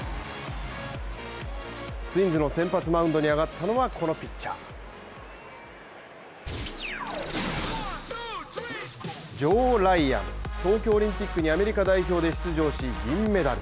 ツインズの先発マウンドに上がったのはこのピッチャー、ジョー・ライアン、東京オリンピックにアメリカ代表で出場し銀メダル。